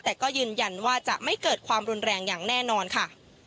แต่ก็ยืนยันว่าจะไม่เกิดความรุนแรงค่ะ